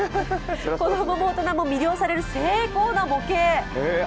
子供も大人も魅了される精巧な模型。